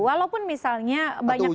walaupun misalnya banyak pihak